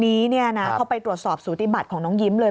วันนี้เข้าไปตรวจสอบสูติบัติของน้องยิ้มเลย